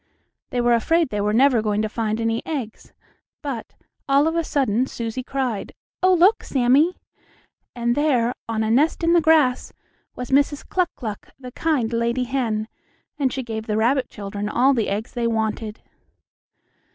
They were afraid they were never going to find any eggs, but, all of a sudden Susie cried: "Oh, look, Sammie!" And there, on a nest in the grass, was Mrs. Cluck Cluck the kind lady hen, and she gave the rabbit children all the eggs they wanted.